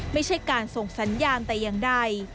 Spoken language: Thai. ไม่ใช่การส่งสัญญาณแต่อย่างใด